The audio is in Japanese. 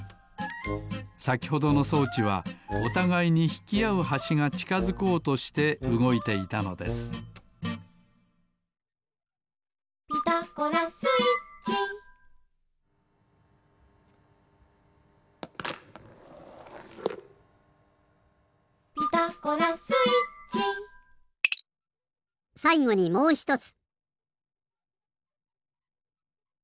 さきほどの装置はおたがいにひきあうはしがちかづこうとしてうごいていたのです「ピタゴラスイッチ」「ピタゴラスイッチ」さいごにもうひとつ。